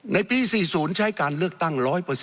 ในปี๔๐ใช้การเลือกตั้ง๑๐๐